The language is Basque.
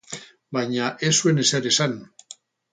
Baina ez zuen ezer esan.